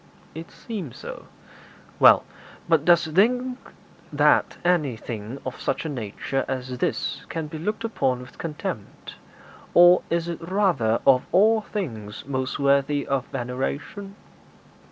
'It seems so.' 'Well, but dost think that anything of such a nature as this can be looked upon with contempt, or is it rather of all things most worthy of veneration?'